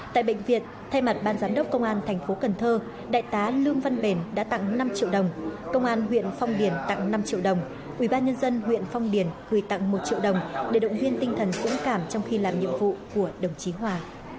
tại bệnh viện thay mặt ban giám đốc công an thành phố cần thơ đại tá lương văn bền đã tặng năm triệu đồng công an huyện phong điền tặng năm triệu đồng ubnd huyện phong điền gửi tặng một triệu đồng để động viên tinh thần dũng cảm trong khi làm nhiệm vụ của đồng chí hòa